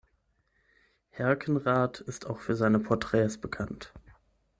Herkenrath ist auch für seine Porträts bekannt.